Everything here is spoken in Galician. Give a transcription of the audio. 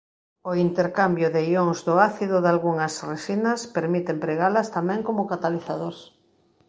O intercambio de ións do ácido dalgunhas resinas permite empregalas tamén como catalizador.